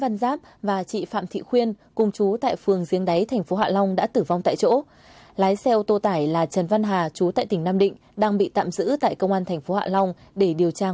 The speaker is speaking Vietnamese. các bạn hãy đăng ký kênh để ủng hộ kênh của chúng mình nhé